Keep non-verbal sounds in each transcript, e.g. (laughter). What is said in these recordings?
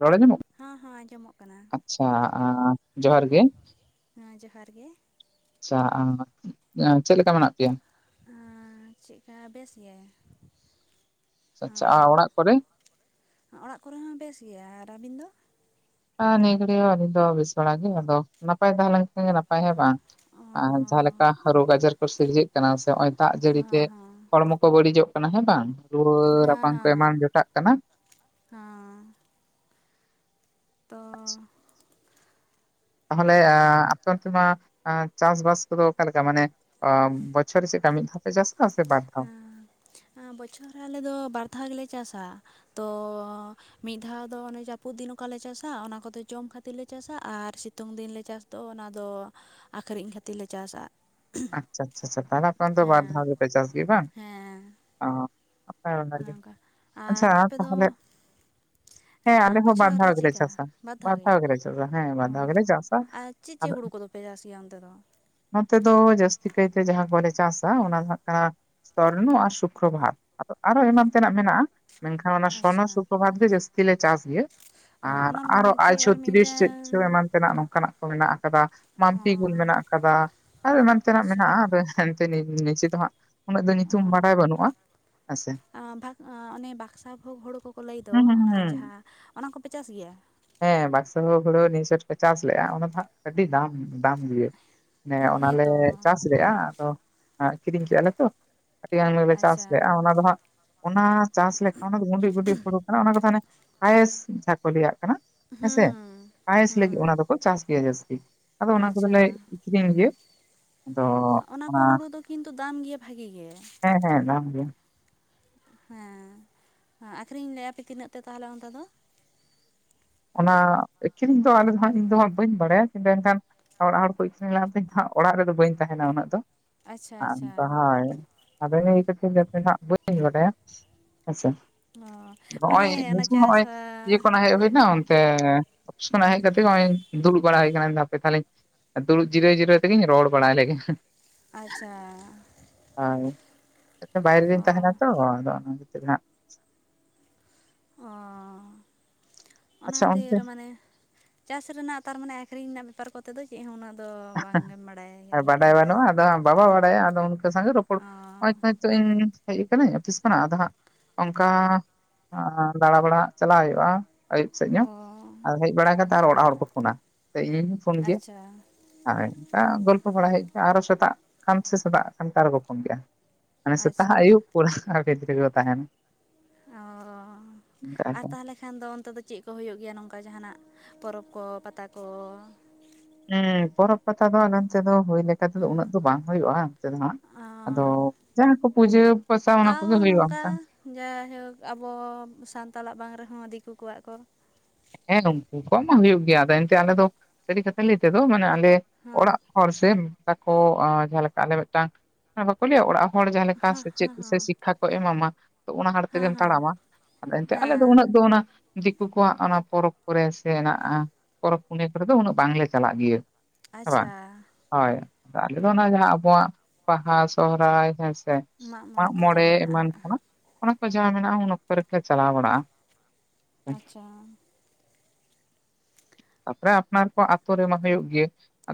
ᱨᱚᱲ ᱦᱮᱞᱳ ᱟᱡᱟᱢᱚᱜ ᱠᱟᱱᱟ? ᱦᱚᱸ ᱦᱚᱸ ᱟᱸᱡᱚᱢᱚᱜ ᱠᱟᱱᱟ ᱟᱪᱪᱷᱟ ᱡᱚᱦᱟᱨ ᱜᱮ᱾ ᱦᱮ ᱡᱚᱦᱟᱨ ᱜᱮ᱾ ᱟᱪᱪᱷᱟ ᱪᱮᱫ ᱞᱮᱠᱟ ᱢᱮᱱᱟᱜ ᱯᱮᱭᱟ? ᱦᱮᱸ ᱪᱮᱫᱠᱟ ᱵᱮᱥ ᱜᱮ᱾ ᱟᱪᱪᱷᱟ ᱟ ᱚᱲᱟᱜ ᱠᱚᱨᱮ ᱚᱲᱟᱜ ᱠᱚᱨᱮ ᱦᱚᱸ ᱵᱮᱥ ᱜᱮᱭᱟ᱾ ᱟᱨ ᱟᱹᱵᱤᱱ ᱫᱚ? ᱦᱮ ᱱᱮᱭᱟ ᱜᱷᱟᱲᱤᱡ ᱦᱚ ᱟᱞᱤᱧ ᱫᱚ ᱵᱮᱥᱵᱟᱲᱟ ᱜᱮ ᱟᱫᱚ ᱱᱟᱯᱟᱭ ᱛᱟᱦᱮᱞᱮᱱ ᱮ ᱱᱟᱯᱟᱭ ᱦᱮ ᱵᱟᱝ ᱚ ᱟᱨ ᱡᱟᱦᱟᱸ ᱞᱮᱠᱟ ᱨᱳᱜᱽ ᱟᱡᱟᱨ ᱠᱚ ᱥᱤᱨᱡᱟᱹᱜ ᱥᱮ ᱱᱚᱜ ᱚᱭ ᱫᱟᱜ ᱡᱟᱹᱲᱤ ᱛᱮ ᱦᱚᱸ ᱦᱚᱸ ᱦᱚᱲᱢᱚ ᱠᱚ ᱵᱟᱹᱲᱤᱡᱚᱜ ᱠᱟᱱᱟ ᱦᱮᱸ ᱵᱟᱝ ᱨᱩᱣᱟᱹ ᱨᱟᱯᱟᱝ ᱛᱮ ᱮᱢᱟᱱ ᱡᱚᱴᱟᱜ ᱠᱟᱱᱟ᱾ ᱦᱚᱸ ᱛᱚ ᱛᱟᱦᱚᱞᱮ ᱟᱯᱮᱛᱮ ᱢᱟ ᱪᱟᱥᱵᱟᱥ ᱠᱚᱫᱚ ᱚᱠᱟᱞᱮᱠᱟ ᱢᱟᱱᱮ ᱵᱚᱪᱷᱚᱨ ᱨᱮ ᱪᱮᱫ ᱞᱮᱠᱟ ᱢᱤᱫ ᱫᱷᱟᱣ ᱯᱮ ᱪᱟᱥᱟ ᱥᱮ ᱵᱟᱨ ᱫᱷᱟᱣ? ᱵᱚᱪᱷᱚᱨ ᱨᱮ ᱟᱞᱮ ᱫᱚ ᱵᱟᱨ ᱫᱷᱟᱣ ᱜᱮᱞᱮ ᱪᱟᱥᱟ᱾ ᱛᱚ ᱢᱤᱫ ᱫᱷᱟᱣ ᱫᱚ ᱚᱱᱮ ᱡᱟᱹᱯᱩᱫ ᱫᱤᱱ ᱚᱠᱟᱞᱮ ᱪᱟᱥᱟ ᱚᱱᱟ ᱠᱚᱫᱚ ᱡᱚᱢ ᱠᱷᱟᱹᱛᱤᱨ ᱞᱮ ᱪᱟᱥᱟ ᱟᱨ ᱥᱤᱛᱩᱝ ᱫᱤᱱᱞᱮ ᱪᱟᱥᱟ ᱛᱚ ᱚᱱᱟᱫᱚ ᱟᱠᱷᱨᱤᱧ ᱠᱷᱟᱹᱛᱤᱨ ᱞᱮ ᱪᱟᱥᱟ᱾ ᱟᱪᱪᱷᱟ ᱟᱪᱪᱷᱟ ᱟᱪᱪᱷᱟ ᱛᱟᱦᱮ ᱠᱷᱚᱱ ᱛᱚ ᱵᱟᱨ ᱦᱮᱸ ᱫᱷᱟᱣ ᱜᱮᱯᱮ ᱪᱟᱥ ᱜᱮ ᱵᱟᱝ ᱦᱮᱸ ᱦᱳᱭ ᱚᱱᱟ ᱚᱱᱮ ᱜᱮ ᱚᱱᱠᱟ ᱟᱪᱪᱷᱟ ᱟᱨ ᱟᱯᱮ ᱫᱚ ᱛᱟᱦᱚᱞᱮ ᱦᱮᱸ ᱟᱞᱮ ᱦᱚᱸ ᱵᱚᱪᱷᱚᱨ ᱨᱮ ᱵᱟᱨᱫᱷᱟᱣ ᱜᱮᱞᱮ ᱪᱮᱫᱠᱟ ᱪᱟᱥᱟ ᱵᱟᱨ ᱫᱷᱟᱣ ᱜᱮ ᱵᱟᱨᱫᱷᱟᱣ ᱜᱮᱞᱮ ᱪᱟᱥᱟ ᱦᱮᱸ ᱚ ᱵᱟᱨᱫᱷᱟ ᱜᱮᱞᱮ ᱪᱟᱥᱟ ᱟᱨ ᱪᱮᱫ ᱪᱮᱫ ᱦᱩᱲᱩ ᱠᱚᱫᱚ ᱯᱮ ᱟᱥᱤᱭᱟ ᱚᱱᱛᱮ ᱫᱚ ᱱᱚᱛᱮ ᱫᱚ ᱡᱟᱹᱥᱛᱤ ᱠᱟᱭᱛᱮ ᱡᱟᱦᱟᱸ ᱠᱚᱞᱮ ᱪᱟᱥᱟ ᱚᱱᱟ ᱫᱚ ᱦᱟᱸᱜ ᱱᱟᱠᱷᱟᱱ ᱥᱚᱨᱱᱚ ᱟᱨ ᱥᱩᱠᱨᱚᱵᱟᱨ ᱟᱫᱚ ᱟᱨᱚ ᱮᱢᱟᱱ ᱛᱮᱱᱟᱜ ᱢᱮᱱᱟᱜᱼᱟ ᱾ ᱢᱮᱱᱠᱷᱟᱱ ᱚᱱᱟ ᱥᱚᱨᱱᱚ ᱟᱪᱪᱷᱟ ᱥᱩᱯᱨᱚᱵᱟᱨ ᱜᱮ ᱡᱟᱥᱛᱤ ᱞᱮ ᱪᱟᱥ ᱜᱮᱭᱟ᱾ ᱟᱨ ᱚᱱᱟ ᱟᱨᱦᱚ ᱟᱭ ᱪᱮᱫ ᱟᱨ ᱪᱷᱚᱛᱤᱨᱤᱥ ᱢᱤᱫᱴᱮᱱ ᱪᱚᱫᱪᱚ ᱮᱢᱟᱱ ᱛᱮᱱᱟᱜ ᱱᱚᱝᱠᱟᱱᱟᱜ ᱢᱮᱱᱟᱜ ᱟᱠᱟᱫᱟ ᱚ ᱢᱟᱢᱯᱤ ᱜᱩᱞ ᱢᱮᱱᱟᱜ ᱟᱠᱟᱫᱟ ᱟᱨ ᱮᱢᱟᱱ ᱛᱮᱱᱟᱜ ᱟᱪᱪᱷᱟ ᱢᱮᱱᱟᱜᱼᱟ ᱾ ᱮᱱᱛᱮ ᱱᱤᱡᱮ ᱫᱚ ᱦᱟᱸᱜ ᱩᱱᱟᱹᱜ ᱫᱚ ᱧᱩᱛᱩᱢ ᱵᱟᱲᱟᱭ ᱵᱟᱹᱱᱩᱜᱼᱟ ᱾ ᱵᱷᱟᱜ ᱚᱱᱮ ᱵᱟᱠᱥᱟ ᱵᱷᱳᱜᱽ ᱦᱩᱲᱩ ᱠᱚᱠᱚ ᱞᱟᱹᱭ ᱫᱚ ᱦᱩᱸ ᱦᱩᱸ ᱚᱱᱟ ᱦᱩᱸ ᱡᱟᱦᱟᱸ ᱚᱱᱟ ᱠᱚᱯᱮ ᱪᱟᱥ ᱜᱮᱭᱟ? ᱦᱮᱸ ᱵᱟᱠᱥᱚ ᱦᱩᱲᱩ ᱱᱤᱭᱟᱪᱷᱚᱴ ᱠᱚ ᱪᱟᱥ ᱞᱮᱜᱟ ᱚᱱᱟ ᱫᱚ ᱦᱟᱸᱜ ᱟᱹᱰᱤ ᱫᱟᱢ ᱫᱟᱢ ᱜᱮᱭᱟ᱾ ᱦᱮ ᱚᱱᱟᱞᱮ ᱦᱮᱸᱛᱚ ᱪᱟᱥ ᱞᱮᱫᱼᱟ ᱟᱫᱚ ᱠᱤᱨᱤᱧ ᱠᱮᱫᱼᱟᱞᱮ ᱛᱚ ᱟᱹᱰᱤ ᱜᱟᱱ ᱞᱮ ᱪᱟᱥ ᱟᱪᱪᱷᱟ ᱞᱮᱜᱟ ᱚᱱᱟ ᱫᱚ ᱦᱟᱸᱜ ᱚᱱᱟ ᱪᱟᱥ ᱞᱮᱠᱷᱟᱱ ᱚᱱᱟ ᱫᱚ ᱜᱩᱸᱰᱡ ᱜᱩᱸᱰᱡ ᱦᱩᱲᱩ ᱠᱟᱱᱟ ᱚᱱᱟ ᱠᱚ ᱛᱟᱦᱮ ᱯᱟᱭᱮᱥ ᱡᱟᱦᱟᱸ ᱠᱚ ᱞᱤᱭᱟᱜ ᱠᱟᱱᱟ᱾ ᱦᱩᱸ ᱦᱮᱸᱥᱮ ᱦᱩᱸ ᱯᱟᱭᱮᱥ ᱦᱩᱸ ᱞᱟᱹᱜᱤᱫ ᱚᱱᱟ ᱫᱚᱠᱚ ᱪᱟᱥ ᱜᱮᱭᱟ ᱡᱟᱹᱥᱛᱤ ᱟᱫᱚ ᱚᱱᱟ ᱟᱪᱪᱷᱟ ᱠᱚᱫᱚᱞᱮ ᱟᱠᱷᱨᱤᱧ ᱜᱮᱭᱟ᱾ ᱟᱫᱚ ᱚᱱᱟ ᱠᱚ ᱦᱩᱲᱩ ᱫᱚ ᱠᱤᱱᱛᱩ ᱫᱟᱢ ᱜᱮᱭᱟ ᱵᱷᱟᱜᱤ ᱜᱮ ᱦᱮᱸ ᱦᱮᱸ ᱫᱟᱢ ᱜᱮᱭᱟ ᱦᱮᱸ ᱦᱮᱸ ᱟᱹᱠᱷᱨᱤᱧ ᱞᱮᱜᱟ ᱟᱯᱮ ᱛᱤᱱᱟᱹᱜ ᱛᱮ ᱛᱟᱦᱚᱞᱮ ᱚᱱᱛᱮ ᱫᱚ ᱚᱱᱟ ᱮᱠᱪᱩᱭᱟᱞᱤᱠ ᱫᱚ ᱟᱞᱮ ᱫᱚ ᱤᱧ ᱫᱟᱜ ᱵᱟᱹᱧ ᱵᱟᱲᱟᱭᱟ ᱠᱤᱱᱛᱩ ᱮᱱᱠᱷᱟᱱ ᱚᱲᱟᱜ ᱦᱚᱲ ᱠᱚ ᱤᱥᱤᱱ ᱞᱮᱫ ᱛᱤᱧ ᱛᱟᱦᱮ ᱚᱲᱟᱜ ᱨᱮᱫᱚ ᱵᱟᱹᱧ ᱛᱟᱦᱮᱱᱟ ᱩᱱᱟᱹᱜ ᱫᱚ ᱾ ᱟᱪᱪᱷᱟ ᱟᱪᱪᱷᱟ ᱟᱫᱚ ᱦᱟᱜ ᱤᱧ ᱵᱟᱭ ᱛᱟᱠᱤᱱ ᱠᱤᱱ ᱤᱥᱤᱱ ᱞᱮᱫ ᱦᱟᱜ ᱵᱟᱹᱧ ᱵᱟᱰᱟᱭᱟ ᱾ ᱦᱮᱥᱮ ᱚ ᱱᱚᱜᱚᱭ ᱢᱟᱱᱮ ᱚᱱᱟ ᱱᱤᱛᱳᱜ ᱪᱟᱥ ᱡᱤᱭᱟᱹ ᱠᱷᱚᱱ ᱦᱮᱡ ᱦᱩᱭᱱᱟ᱾ ᱚᱯᱷᱤᱥ ᱠᱷᱚ ᱦᱮᱡ ᱠᱟᱛᱮ ᱱᱚᱜᱚᱭ ᱫᱩᱲᱩᱵ ᱵᱟᱲᱟ ᱦᱩᱭ ᱟᱠᱟᱱᱟ ᱦᱟᱯᱮ ᱛᱟᱦᱚᱞᱮᱧ ᱫᱩᱲᱩᱵ ᱡᱤᱨᱟᱹᱣ ᱡᱤᱨᱟᱹᱣ ᱛᱮᱜᱤᱧ ᱨᱚᱲ ᱵᱟᱲᱟ ᱞᱮᱜᱮ ᱟᱪᱪᱷᱟ ᱦᱳᱭ ᱵᱟᱭᱨᱮ ᱨᱮᱧ ᱚ ᱛᱟᱦᱮᱱᱟ ᱛᱚ ᱟᱫᱚ ᱚᱱᱟ ᱠᱷᱛᱤᱨ ᱱᱟᱜ ᱚ ᱚᱱᱟ ᱟᱪᱪᱷᱟ ᱚᱱᱛᱮ ᱠᱷᱟᱛᱤᱨ ᱢᱟᱱᱮ ᱪᱟᱥ ᱨᱮᱱᱟᱜ ᱛᱟᱨᱢᱟᱱᱮ ᱟᱹᱷᱨᱤᱧ ᱨᱮᱱᱟᱜ ᱵᱮᱯᱟᱨ ᱠᱚᱛᱮ ᱫᱚ ᱪᱮᱫ ᱦᱚᱸ ᱩᱱᱟᱹᱜ ᱫᱚ ᱵᱟᱝᱮᱢ ᱵᱟᱲᱟᱭᱟ ᱟᱨᱠᱤ ᱵᱟᱰᱟᱭ ᱵᱟᱹᱱᱩᱜᱼᱟ ᱟᱫᱚ ᱵᱟᱵᱟ ᱵᱟᱲᱟᱭᱟ ᱟᱫᱚ ᱩᱱᱠᱩ ᱥᱟᱶ ᱨᱚᱯᱚᱲ ᱚ ᱦᱳᱭᱛᱚ ᱦᱚᱭᱛᱚ ᱤᱧ ᱦᱮᱡ ᱠᱟᱱᱟᱧ ᱚᱯᱷᱤᱥ ᱠᱷᱚᱱᱟᱜ ᱟᱫᱚ ᱦᱟᱸᱜ ᱚᱱᱠᱟ ᱫᱟᱬᱟ ᱵᱟᱲᱟ ᱦᱟᱜ ᱪᱟᱞᱟᱜ ᱦᱩᱭᱩᱜᱼᱟ ᱾ ᱟᱹᱭᱩᱵ ᱥᱮᱫ ᱚ ᱧᱚᱜ ᱟᱨ ᱦᱮᱡ ᱵᱟᱲᱟ ᱠᱟᱛᱮ ᱟᱨ ᱚᱲᱟᱜ ᱦᱚᱲ ᱠᱚ ᱯᱷᱳᱱᱟ ᱥᱮ ᱤᱧ ᱯᱷᱳᱱ ᱜᱮᱭᱟ᱾ ᱦᱮᱸ ᱟᱨ ᱚᱱᱠᱟ ᱜᱚᱞᱯᱚ ᱵᱟᱲᱟ ᱦᱳᱭᱳᱜ ᱜᱮᱭᱟ ᱟᱨᱚ ᱥᱮᱛᱟᱜ ᱠᱷᱟᱱ ᱥᱮ ᱥᱮᱛᱟᱜ ᱠᱚᱛᱮ ᱟᱨᱦᱚ ᱠᱚ ᱯᱳᱱᱟ ᱾ ᱥᱮᱛᱟᱜ ᱟᱪᱪᱷᱟ ᱟᱭᱩᱵ ᱯᱷᱚᱱ ᱟᱠᱟ ᱵᱷᱮᱛ ᱨᱮᱜᱮ ᱠᱚ ᱛᱟᱦᱮᱱᱟ ᱚ ᱚᱱᱠᱟ ᱟᱨ ᱟᱨᱠᱤ ᱛᱟᱦᱚᱞᱮ ᱠᱷᱟᱱ ᱠᱷᱟᱱ ᱫᱚ ᱚᱱᱛᱮ ᱫᱚ ᱪᱮᱫ ᱠᱚ ᱦᱩᱭᱩᱜ ᱜᱮᱭᱟ ᱱᱚᱝᱠᱟ ᱡᱟᱦᱟ ᱱᱟᱜ ᱯᱚᱨᱚᱵᱽ ᱠᱚ ᱯᱟᱛᱟ ᱠᱚ ᱦᱮᱸ ᱯᱚᱨᱚᱵᱽ ᱯᱟᱛᱟ ᱫᱚ ᱟᱱᱠᱟ ᱛᱮᱫᱚ ᱦᱩᱭ ᱞᱮᱠᱟ ᱛᱮᱫᱚ ᱩᱱᱟᱹᱜ ᱫᱚ ᱵᱟᱝ ᱦᱩᱭᱩᱜᱼᱟ ᱾ ᱛᱮᱫ ᱫᱚ ᱚ ᱦᱟᱜ ᱡᱟᱦᱟᱸ ᱠᱚ ᱯᱩᱡᱟᱹ ᱯᱟᱥᱟ ᱚᱱᱟ ᱛᱟᱣ ᱠᱚᱜᱮ ᱦᱩᱭᱩᱜᱼᱟ ᱱᱚᱝᱠᱟ ᱚᱱᱠᱟ᱾ ᱡᱟᱭᱦᱳᱠ ᱟᱵᱚ ᱥᱟᱱᱛᱟᱲᱟᱜ ᱵᱟᱝ ᱨᱮᱦᱚᱸ ᱫᱤᱠᱩ ᱠᱚᱣᱟᱜ ᱠᱚ ᱦᱮᱸ ᱩᱱᱠᱩ ᱠᱚᱣᱟᱜ ᱢᱟ ᱦᱩᱭᱩᱜ ᱜᱮᱭᱟ ᱟᱫᱚ ᱮᱱᱛᱮ ᱟᱞᱮ ᱫᱚ ᱥᱟᱹᱨᱤ ᱠᱟᱛᱷᱟ ᱞᱟᱹᱭ ᱛᱮᱫᱚ ᱢᱟᱱᱮ ᱟᱞᱮ ᱦᱚᱸ ᱚᱲᱟᱜ ᱦᱚᱲ ᱥᱮ ᱛᱟᱠᱚ ᱡᱟᱦᱟᱸᱞᱮ ᱞᱮᱠᱟ ᱟᱞᱮ ᱢᱤᱫᱴᱟᱝ ᱵᱟᱠᱚ ᱞᱟᱹᱭᱟ ᱚᱲᱟᱜ ᱦᱚᱲ ᱡᱟᱦᱟ ᱞᱮᱠᱟ ᱥᱮᱪᱮᱫ ᱥᱮ ᱥᱤᱠᱠᱷᱟ ᱠᱚ ᱮᱢᱟ ᱢᱟ᱾ ᱚᱱᱟ ᱦᱟᱲ ᱦᱮᱸ ᱛᱮᱜᱮᱢ ᱦᱮᱸ ᱛᱟᱲᱟᱢᱟ ᱟᱫᱚ ᱮᱱᱛᱮ ᱟᱞᱮ ᱫᱚ ᱦᱮᱸ ᱩᱱᱟᱹᱜ ᱫᱚ ᱚᱱᱟ ᱫᱤᱠᱩ ᱠᱚᱣᱟᱜ ᱚᱱᱟ ᱯᱚᱨᱚᱵᱽ ᱠᱚᱨᱮ ᱥᱮ ᱦᱮᱱᱟᱜᱼᱟ ᱯᱚᱨᱚᱵᱽ ᱯᱩᱱᱟᱹ ᱠᱚᱨᱮ ᱫᱚ ᱩᱱᱟᱹᱜ ᱵᱟᱝᱞᱮ ᱪᱟᱞᱟᱜ ᱜᱮᱭᱟ ᱾ ᱟᱪᱪᱷᱟ ᱦᱳᱭ ᱟᱫᱚ ᱟᱞᱮᱚ ᱚᱱᱟ ᱡᱟᱦᱟᱸ ᱟᱵᱚᱣᱟᱜ ᱵᱟᱦᱟ ᱥᱚᱦᱨᱟᱭ ᱦᱮᱸᱥᱮ ᱢᱟᱜ ᱢᱚᱬᱮ ᱠᱚ ᱢᱟᱜᱢᱚᱬᱮ ᱡᱟᱜᱮ ᱢᱮᱱᱟᱜ ᱮᱢᱟᱱ ᱟᱠᱟᱜᱼᱟ ᱠᱚᱱᱟᱜ ᱚᱱᱟ ᱠᱚ ᱡᱟᱦᱟᱸ ᱢᱮᱱᱟᱜᱼᱟ ᱚᱱᱟ ᱠᱚᱨᱮᱠᱚ ᱪᱟᱞᱟᱣ ᱵᱟᱲᱟᱜᱼᱟ ᱾ ᱟᱪᱪᱷᱟ ᱛᱟᱯᱚᱨᱮ ᱟᱯᱱᱟᱨ ᱠᱚ ᱟᱹᱛᱳ ᱨᱮᱢᱟ ᱦᱩᱭᱩᱜ ᱜᱮ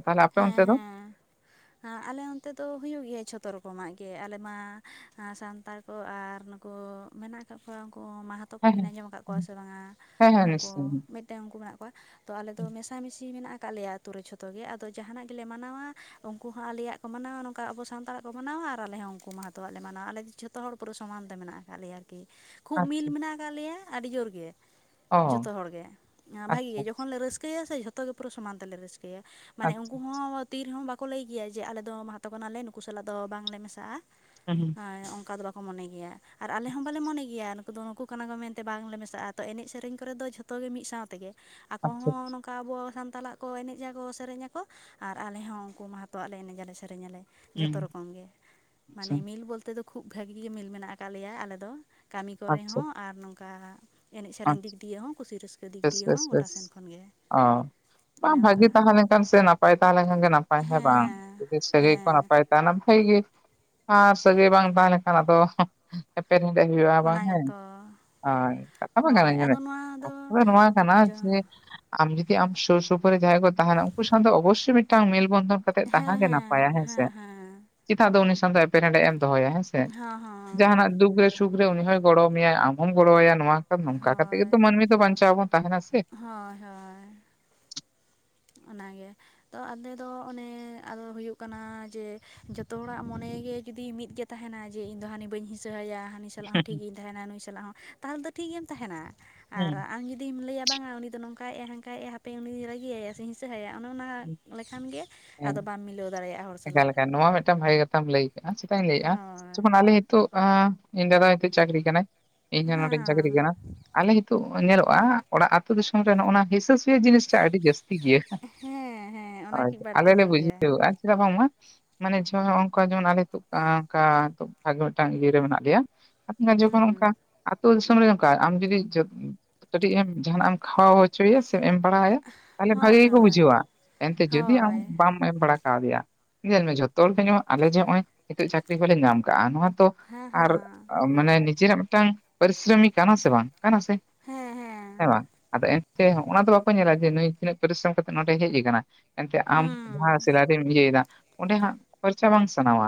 ᱛᱟᱦᱚᱞᱮ ᱟᱯᱮ ᱦᱮᱸ ᱚᱱᱛᱮ ᱫᱚ? ᱦᱮᱸ ᱟᱞᱮ ᱚᱱᱛᱮ ᱫᱚ ᱦᱩᱭᱩᱜ ᱜᱮᱭᱟ ᱡᱷᱚᱛᱚ ᱨᱚᱠᱚᱢᱟᱜ ᱜᱮ ᱟᱞᱮ ᱢᱟ ᱥᱟᱱᱛᱟᱲ ᱟᱨ ᱱᱩᱠᱩ ᱢᱮᱱᱟᱜ ᱟᱠᱟᱫ ᱠᱚᱣᱟ ᱩᱱᱠᱩ ᱢᱟᱦᱟ ᱡᱟᱦᱟᱛᱚ ᱠᱚ ᱦᱮᱸ ᱵᱤᱱ ᱦᱮᱸ ᱟᱸᱡᱚᱢ ᱟᱠᱟᱫ ᱠᱚᱣᱟ ᱥᱮ ᱵᱟᱝᱟ ᱦᱮᱸ ᱦᱮᱸ ᱩᱱᱠᱩ ᱱᱤᱥᱪᱚᱭ ᱢᱤᱫᱴᱮᱱ ᱩᱱᱠᱩ ᱢᱮᱱᱟᱜ ᱠᱚᱣᱟ᱾ ᱛᱚ ᱟᱞᱮ ᱫᱚ ᱢᱮᱥᱟᱢᱤᱥᱤ ᱢᱮᱱᱟᱜ ᱟᱠᱟᱫ ᱞᱮᱭᱟ ᱟᱹᱛᱩ ᱨᱮ ᱡᱷᱚᱛᱚ ᱜᱮ ᱛᱚ ᱡᱟᱦᱟᱱᱟᱜ ᱜᱮᱞᱮ ᱢᱟᱱᱟᱣᱟ ᱩᱱᱠᱩ ᱦᱚᱸ ᱟᱞᱮᱭᱟᱜ ᱠᱚ ᱢᱟᱱᱟᱣᱟ ᱱᱚᱝᱠᱟ ᱟᱵᱚ ᱥᱟᱱᱛᱟᱲᱟᱜ ᱠᱚ ᱢᱟᱱᱟᱣᱟ ᱟᱨ ᱟᱞᱮ ᱦᱚᱸ ᱩᱱᱠᱚ ᱢᱟᱦᱟᱛᱚ ᱡᱷᱚᱛᱚᱣᱟᱜ ᱞᱮ ᱢᱟᱱᱟᱣᱟ ᱟᱞᱮ ᱡᱷᱚᱛᱚ ᱦᱚᱲ ᱯᱩᱨᱟᱹ ᱥᱚᱢᱟᱱ ᱛᱮ ᱢᱮᱱᱟᱜ ᱟᱠᱟᱫ ᱞᱮᱭᱟ ᱟᱨᱠᱤ ᱠᱷᱩᱵ ᱢᱤᱞ ᱟᱪᱪᱷᱟ ᱢᱮᱱᱟᱜ ᱟᱠᱟᱫ ᱞᱮᱭᱟ ᱟᱹᱰᱤ ᱡᱳᱨ ᱜᱮ ᱚ ᱡᱷᱚᱛᱚ ᱦᱚᱲᱜᱮ ᱵᱷᱟᱜᱮ ᱜᱮ ᱟᱪᱪᱷᱟ ᱡᱚᱠᱷᱚᱱ ᱞᱮ ᱨᱟᱹᱥᱠᱟᱹᱭᱟ ᱥᱮ ᱡᱷᱚᱛᱚ ᱜᱮ ᱯᱩᱨᱟᱹ ᱥᱚᱢᱟᱱ ᱛᱮᱞᱮ ᱨᱟᱹᱥᱠᱟᱹᱭᱟ ᱾ ᱢᱟᱱᱮ ᱟᱪᱪᱷᱟ ᱩᱱᱠᱩ ᱦᱚᱸ ᱛᱤ ᱨᱮᱦᱚᱸ ᱵᱟᱠᱚ ᱞᱟᱹᱭ ᱜᱮᱭᱟ ᱡᱮ ᱟᱞᱮ ᱫᱚ ᱢᱟᱦᱟᱛ ᱠᱟᱱᱟᱞᱮ ᱱᱩᱠᱩ ᱥᱟᱞᱟᱜ ᱫᱚ ᱵᱟᱝᱞᱮ ᱢᱮᱥᱟᱜᱼᱟ ᱾ ᱦᱮᱸ ᱦᱳᱭ ᱚᱱᱠᱟ ᱫᱚ ᱵᱟᱠᱚ ᱢᱚᱱᱮ ᱜᱮᱭᱟ ᱾ ᱟᱨ ᱟᱞᱮ ᱦᱚᱸ ᱵᱟᱞᱮ ᱢᱚᱱᱮ ᱜᱮᱭᱟ ᱱᱩᱠᱩ ᱫᱚ ᱱᱩᱠᱩ ᱠᱟᱱᱟ ᱠᱚ ᱢᱮᱱᱛᱮ ᱵᱟᱝᱞᱮ ᱢᱮᱥᱟᱜᱼᱟ ᱛᱚ ᱮᱱᱮᱡ ᱥᱮᱨᱮᱧ ᱠᱚᱨᱮ ᱫᱚ ᱡᱷᱚᱛᱚ ᱜᱮ ᱢᱤᱫ ᱥᱟᱶ ᱛᱮᱜᱮ ᱾ ᱟᱠᱚ ᱟᱪᱪᱷᱟ ᱦᱚᱸ ᱱᱚᱝᱠᱟ ᱟᱵᱚ ᱥᱟᱱᱛᱟᱞᱟᱜ ᱠᱚ ᱮᱱᱮᱡᱟ ᱠᱚ ᱥᱮᱨᱮᱧ ᱟᱠᱚ ᱟᱨ ᱟᱞᱮ ᱦᱚᱸ ᱩᱱᱠᱩ ᱢᱟᱦᱟᱛᱚᱣᱟᱜ ᱞᱮ ᱮᱱᱮᱡ ᱟᱞᱮ ᱥᱮᱨᱮᱧ ᱟᱞᱮ᱾ ᱡᱷᱚᱛᱚ ᱦᱩᱸ ᱨᱚᱠᱚᱢ ᱜᱮ ᱟᱪᱪᱷᱟ ᱢᱟᱱᱮ ᱢᱤᱞ ᱵᱚᱞᱛᱮ ᱫᱚ ᱠᱷᱩᱵ ᱵᱷᱟᱹᱜᱤ ᱜᱮ ᱢᱤᱞ ᱢᱮᱱᱟᱜ ᱠᱫ ᱞᱮᱭᱟ ᱟᱞᱮ ᱫᱚ᱾ ᱠᱟᱹᱢᱤ ᱠᱚᱨᱮ ᱟᱪᱪᱷᱟ ᱦᱚᱸ ᱟᱨ ᱱᱚᱝᱠᱟ ᱮᱱᱮᱡ ᱥᱮᱨᱮᱧ ᱟᱪᱪᱷᱟ ᱫᱤᱠ ᱫᱤᱭᱮ ᱦᱚᱸ ᱠᱩᱥᱤ ᱨᱟᱹᱥᱠᱟᱹ ᱫᱤᱠ ᱵᱮᱥ ᱫᱤᱭᱮ ᱵᱮᱥ ᱦᱚᱸ ᱜᱚᱴᱟ ᱵᱮᱥ ᱥᱮᱱ ᱠᱷᱚᱱ ᱜᱮ ᱾ ᱚ ᱵᱟᱝ ᱵᱷᱟᱹᱜᱤ ᱛᱟᱦᱮᱸ ᱞᱮᱱᱠᱷᱟᱱ ᱥᱮ ᱱᱟᱯᱟᱭ ᱛᱟᱦᱮᱸ ᱞᱮᱱᱠᱷᱟᱱ ᱜᱮ ᱱᱟᱯᱟᱭ ᱦᱮᱸ ᱵᱟᱝ ᱡᱩᱫᱤ ᱥᱟᱹᱜᱟᱹᱭ ᱠᱚ ᱱᱟᱯᱟᱭ ᱛᱟᱦᱮᱱᱟ᱾ ᱵᱷᱟᱜᱮ ᱟᱨ ᱥᱟᱹᱜᱟᱹᱭ ᱵᱟᱝ ᱛᱟᱦᱮᱸ ᱞᱮᱠᱷᱟᱱ ᱫᱚ ᱮᱯᱮᱨ ᱦᱮᱸᱰᱮᱸᱡ ᱦᱩᱭᱩᱜᱼᱟ ᱵᱟᱝ ᱚᱱᱟ ᱦᱮᱸ ᱜᱮᱛᱚ ᱦᱳᱭ ᱵᱟᱝ ᱦᱳᱭ ᱠᱟᱱᱟ ᱟᱫᱚ ᱱᱚᱣᱟ ᱠᱟᱛᱷᱟ ᱫᱚ ᱱᱚᱣᱟ ᱠᱟᱱᱟ ᱡᱚ ᱡᱮ ᱟᱢ ᱡᱩᱫᱤ ᱟᱢ ᱥᱩᱨ ᱥᱩᱯᱩᱨ ᱨᱮ ᱡᱟᱦᱟᱸᱭ ᱠᱚ ᱛᱟᱦᱮᱱᱟ ᱩᱱᱠᱩ ᱥᱟᱶᱛᱮ ᱚᱵᱵᱚᱥᱚᱭ ᱢᱤᱫᱴᱟᱝ ᱢᱮᱞ ᱵᱚᱱᱫᱷᱚᱱ ᱠᱟᱛᱮᱫ ᱛᱟᱦᱮᱸ ᱜᱮ ᱱᱟᱯᱟᱭᱟ ᱦᱮᱸ ᱥᱮ ᱪᱮᱫᱟᱜ ᱫᱚ ᱩᱱᱤ ᱥᱟᱶ ᱫᱚ ᱮᱯᱮᱨ ᱦᱮᱸᱰᱮᱸᱡ ᱮᱢ ᱫᱚᱦᱚᱭᱟ ᱦᱮᱸ ᱥᱮ ᱦᱚᱸ ᱦᱚᱸ ᱡᱟᱦᱟ ᱱᱟᱜ ᱫᱩᱠ ᱨᱮ ᱥᱩᱠ ᱨᱮ ᱩᱱᱤ ᱦᱚᱸᱭ ᱜᱚᱲᱚᱣ ᱢᱮᱭᱟ ᱟᱢ ᱦᱚᱸᱢ ᱜᱚᱲᱚ ᱣᱟᱭᱟ ᱱᱚᱣᱟ ᱱᱚᱝᱠᱟ ᱠᱟᱛᱮᱜ ᱦᱳᱭ ᱜᱮᱛᱚ ᱢᱟᱹᱱᱢᱤ ᱫᱚ ᱵᱟᱧᱪᱟᱣ ᱵᱚᱱ ᱛᱟᱦᱮᱱᱟ ᱥᱮ ᱾ ᱦᱳᱭ ᱦᱳᱭ ᱚᱱᱟᱜᱮ ᱛᱚ ᱟᱞᱮ ᱫᱚ ᱚᱱᱮ ᱟᱫᱚ ᱦᱩᱭᱩᱜ ᱠᱟᱱᱟ ᱡᱮ ᱡᱚᱛᱚ ᱦᱚᱲᱟᱜ ᱢᱚᱱᱮ ᱜᱮ ᱡᱩᱫᱤ ᱢᱤᱫ ᱠᱟᱛᱮ ᱛᱟᱦᱮᱱᱟ ᱡᱮ ᱤᱧ ᱫᱚ ᱦᱟᱹᱱᱤ ᱵᱟᱹᱧ ᱦᱤᱥᱟᱹᱭᱟ ᱩᱱᱤ ᱥᱟᱞᱟᱜ ᱦᱚᱸ ᱴᱷᱤᱠ ᱜᱮᱧ ᱛᱟᱦᱮᱸᱱᱟ ᱱᱩᱭ ᱥᱟᱞᱟᱜ ᱦᱚᱸ ᱛᱟᱦᱚᱞᱮ ᱫᱚ ᱴᱷᱤᱠ ᱜᱮᱢ ᱛᱟᱦᱮᱱᱟ ᱟᱨ ᱦᱮᱸ ᱟᱢ ᱡᱩᱫᱤ ᱡᱩᱫᱤᱢ ᱞᱟᱹᱭᱟ ᱵᱟᱝᱟ ᱩᱱᱤ ᱫᱚ ᱱᱚᱝᱠᱟᱭ ᱮᱫᱟ ᱦᱟᱝᱠᱟᱭ ᱮᱫᱟ ᱦᱟᱯᱮ ᱩᱱᱤ ᱫᱩᱧ ᱨᱟᱜᱤᱭᱟ ᱦᱤᱥᱟᱹᱟᱭᱟ ᱚᱱᱮ ᱚᱱᱟ ᱞᱮᱠᱷᱟᱱ ᱜᱮ ᱦᱮᱸ ᱟᱫᱚ ᱵᱟᱢ ᱢᱤᱞᱟᱹᱣ ᱫᱟᱲᱮᱭᱟᱜᱼᱟ ᱦᱚᱲ ᱮᱠᱟᱞ ᱥᱟᱞᱟᱜ᱾ ᱮᱠᱟᱞ ᱱᱚᱣᱟ ᱢᱤᱫᱴᱟᱝ ᱵᱷᱟᱜᱮ ᱠᱟᱛᱷᱟᱢ ᱞᱟᱹᱭ ᱠᱟᱜ ᱼᱟ ᱪᱮᱫᱟᱜ ᱤᱧ ᱞᱟᱹᱭᱮᱜᱼᱟ ᱦᱳᱭ ᱡᱮᱠᱷᱚᱱ ᱟᱞᱮ ᱱᱤᱛᱳᱜ ᱤᱧ ᱫᱟᱫᱟ ᱪᱟᱹᱠᱨᱤ ᱠᱟᱱᱟ ᱤᱧ ᱱᱚᱰᱮᱧ ᱪᱟᱹᱠᱨᱤ ᱦᱮᱸ ᱠᱟᱱᱟ ᱾ ᱟᱞᱮ ᱱᱤᱛᱚᱜ ᱧᱮᱞᱚᱜᱼᱟ ᱚᱲᱟᱜ ᱟᱹᱛᱩ ᱫᱤᱥᱚᱢ ᱨᱮ ᱱᱚᱜᱼᱚ ᱱᱟ ᱦᱤᱥᱟᱹ ᱦᱤᱥᱟᱹ ᱡᱤᱱᱤᱥᱴᱟ ᱟᱹᱰᱤ ᱡᱟᱹᱥᱛᱤ ᱜᱮᱭᱟ, ᱦᱮᱸ ᱦᱮᱸ ᱚᱱᱟ ᱦᱳᱭ, ᱠᱤ ᱟᱞᱮ ᱵᱟᱹᱲᱛᱤ ᱞᱮ ᱧᱚᱜ ᱜᱮᱭᱟ ᱵᱩᱡᱷᱟᱹᱣᱟ ᱪᱮᱫᱟᱜ ᱵᱟᱝᱢᱟ ᱢᱟᱱᱮ ᱡᱮᱢᱚᱱ ᱚᱱᱠᱟ ᱡᱮᱢᱚᱱ ᱟᱞᱮ ᱚᱱᱠᱟ ᱵᱷᱟᱜᱮ ᱢᱤᱫᱴᱟᱝ ᱤᱭᱟᱹᱨᱮ ᱢᱮᱱᱟᱜ ᱞᱮᱭᱟ ᱟᱯᱱᱟᱨ ᱡᱚᱠᱷᱚᱱ ᱚᱱᱠᱟ ᱦᱩᱸ ᱟᱹᱛᱩ ᱫᱤᱥᱚᱢ ᱨᱮ ᱚᱱᱠᱟ ᱟᱢ ᱡᱩᱫᱤ ᱠᱟᱹᱴᱤᱡ ᱮᱢ ᱡᱟᱦᱟᱱᱟᱜ ᱮᱢ ᱠᱷᱟᱣᱟ ᱦᱚᱪᱚᱭᱟ ᱮᱢ ᱵᱟᱲᱟᱭᱟ ᱛᱟᱦᱚᱞᱮ ᱵᱷᱟᱜᱤ ᱦᱳᱭ ᱜᱮ ᱠᱚ ᱦᱳᱭ ᱵᱩᱡᱷᱟᱹᱣᱟ ᱮᱱᱛᱮ ᱡᱩᱫᱤ ᱟᱢ ᱦᱳᱭ ᱵᱟᱢ ᱮᱢ ᱵᱟᱲᱟ ᱠᱟᱣᱫᱮᱭᱟ ᱧᱮᱞ ᱢᱮ ᱡᱷᱚᱛᱚ ᱦᱚᱲ ᱜᱮ ᱧᱚᱜ ᱟᱞᱮ ᱡᱮ ᱱᱚᱜ ᱚᱭ ᱱᱤᱛᱚᱜ ᱪᱟᱹᱠᱨᱤ ᱠᱚᱞᱮ ᱧᱟᱢ ᱠᱟᱜᱼᱟ ᱱᱚᱣᱟ ᱛᱚ ᱦᱮᱸ ᱟᱨ ᱦᱮᱸ ᱢᱟᱱᱮ ᱱᱤᱡᱮᱨᱟᱜ ᱢᱤᱫᱴᱟᱝ ᱯᱤᱨᱤᱥᱨᱟᱹᱢᱤ ᱠᱟᱱᱟ ᱥᱮ ᱵᱟᱝ ᱠᱟᱱᱟ ᱥᱮ ᱦᱮᱸ ᱵᱟᱝ, ᱟᱫᱚ ᱮᱱ ᱛᱮ ᱦᱚᱸᱜᱼᱚ ᱚᱱᱟ ᱫᱚ ᱵᱟᱠᱚ ᱧᱮᱞᱟ ᱡᱮ ᱱᱩᱭ ᱛᱤᱱᱟᱹᱜ ᱯᱚᱨᱤᱥᱨᱚᱢ ᱠᱟᱛᱮᱜ ᱱᱚᱰᱮ ᱦᱮᱡᱽ ᱟᱠᱟᱱᱟ ᱮᱱᱛᱮ ᱟᱢ ᱡᱟᱦᱟᱸ ᱦᱩᱸ ᱥᱮᱞᱟᱨᱤᱢ ᱤᱭᱟᱹ ᱤᱭᱟᱹ ᱫᱟ ᱚᱸᱰᱮ ᱦᱟᱸᱜ ᱠᱷᱚᱨᱪᱟ ᱵᱟᱝ ᱥᱟᱱᱟᱣᱟ